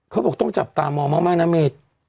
เขาบอกต้องจับตามองมากนะเมฆ